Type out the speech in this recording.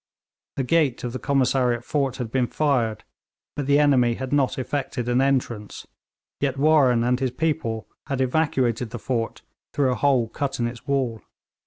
The gate of the Commissariat fort had been fired, but the enemy had not effected an entrance, yet Warren and his people had evacuated the fort through a hole cut in its wall.